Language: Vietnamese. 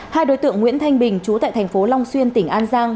hai đối tượng nguyễn thanh bình chú tại thành phố long xuyên tỉnh an giang